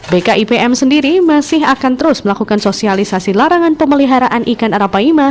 bkipm sendiri masih akan terus melakukan sosialisasi larangan pemeliharaan ikan arapaima